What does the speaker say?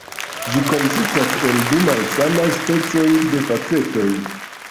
Ĝi konsistas el du malsamaj specoj de facetoj.